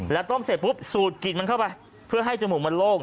แล้วต้มเสร็จปุ๊บสูดกลิ่นมันเข้าไปเพื่อให้จมูกมันโล่ง